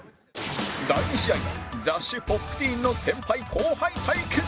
第２試合は雑誌『Ｐｏｐｔｅｅｎ』の先輩後輩対決